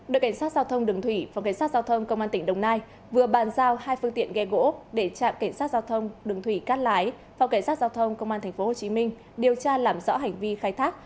đội cảnh sát giao thông đường thủy phòng cảnh sát giao thông công an tỉnh đồng nai vừa bàn giao hai phương tiện ghe gỗ để trạm cảnh sát giao thông đường thủy cát lái phòng cảnh sát giao thông công an tp hcm điều tra làm rõ hành vi khai thác